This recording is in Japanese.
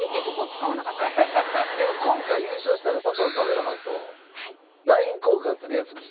でも今回優勝したら佐藤カメラマンとＬＩＮＥ交換する約束してたんですよね？